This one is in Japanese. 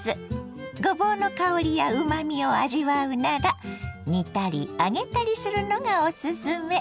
ごぼうの香りやうまみを味わうなら煮たり揚げたりするのがおすすめ。